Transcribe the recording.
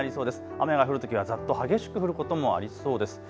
雨が降るときはざっと激しく降ることもありそうです。